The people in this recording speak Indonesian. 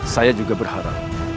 saya juga berharap